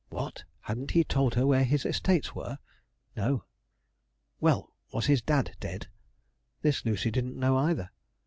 'What! hadn't he told her where is estates were? 'No.' 'Well, was his dad dead?' This Lucy didn't know either.